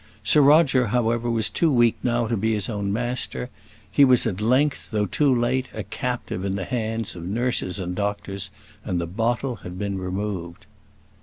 Sir Roger, however, was too weak now to be his own master; he was at length, though too late, a captive in the hands of nurses and doctors, and the bottle had now been removed.